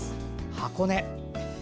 箱根。